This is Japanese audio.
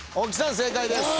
正解です。